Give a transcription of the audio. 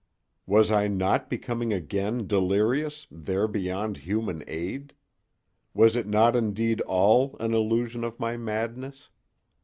Was I not becoming again delirious, there beyond human aid? Was it not indeed all an illusion of my madness?